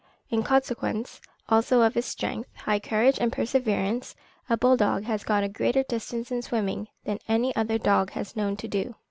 In consequence also of his strength, high courage, and perseverance, a bull dog has gone a greater distance in swimming than any other dog has been known to do.